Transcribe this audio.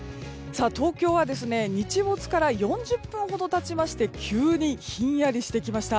東京は日没から４０分ほど経ちまして急にひんやりしてきました。